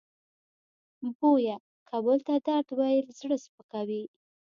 بویه که بل ته درد ویل زړه سپکوي.